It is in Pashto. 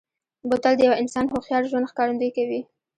بوتل د یوه انسان هوښیار ژوند ښکارندوي کوي.